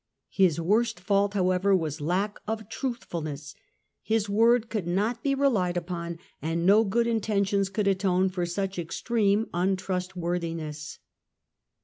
His worst fault, however, was lack of truthfulness ; his word could not be relied upon, and no good intentions could atone for such extreme un trustworthiness.